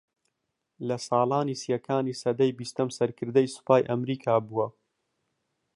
لە ساڵانی سیەکانی سەدەی بیستەم سەرکردەی سوپای ئەمریکا بووە